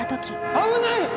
危ない！